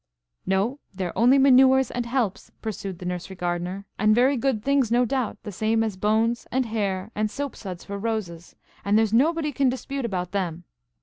"No, they're only manures and helps," pursued the nursery gardener, "and very good things, no doubt, the same as bones, and hair, and soap suds for roses, and there's nobody can dispute about them.